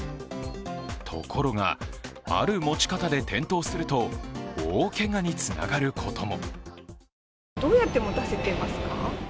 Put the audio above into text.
ところが、ある持ち方で転倒すると大けがにつながることも。